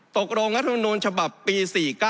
ตกลงรัฐธรรมนุนฉบับปี๔๙